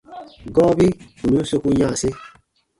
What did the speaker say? Gɔɔbi ù nùn soku yanse.